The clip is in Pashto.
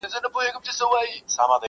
o ماهى چي هر وخت له اوبو راوکاږې، تازه وي٫